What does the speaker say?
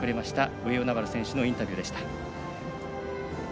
上与那原選手のインタビューでした。